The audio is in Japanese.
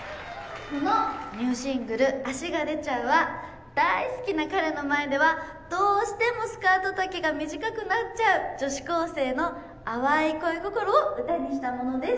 このニューシングル『足が出ちゃう』は大好きな彼の前ではどうしてもスカート丈が短くなっちゃう女子高生の淡い恋心を歌にしたものです。